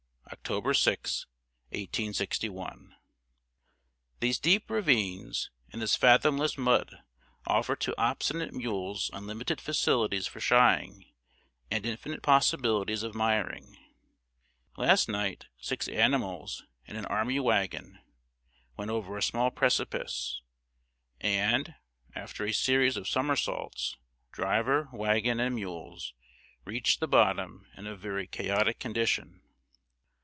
October 6, 1861. These deep ravines and this fathomless mud offer to obstinate mules unlimited facilities for shying, and infinite possibilities of miring. Last night, six animals and an army wagon went over a small precipice, and, after a series of somersaults, driver, wagon, and mules, reached the bottom, in a very chaotic condition.